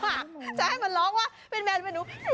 คือแมวจะให้มันร้องว่าเป็นแมวหรือเป็นหนู